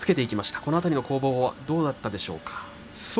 この辺りの攻防はどうだったでしょうか。